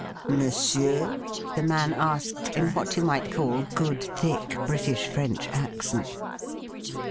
' Monsieur ?'' the man asked in what you might call good thick British French accent.